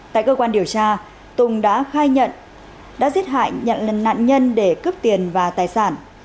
tại cơ quan điều tra tùng đã khai nhận đã giết hại nhận nạn nhân để cướp tiền và tài sản